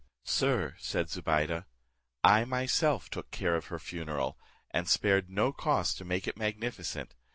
"Sir," said Zobeide, "I myself took care of her funeral, and spared no cost to make it magnificent.